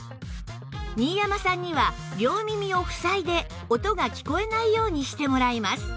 新山さんには両耳をふさいで音が聞こえないようにしてもらいます